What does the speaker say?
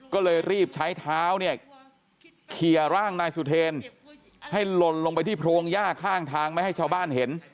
ก็เลยรีบใช้เท้าเนี่ยเคลียร์ร่างนายสุเทรนให้หล่นลงไปที่โพรงย่าข้างทางไม่ให้ชาวบ้านเห็น